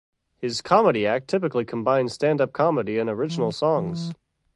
His comedy act typically combines stand-up comedy and original songs.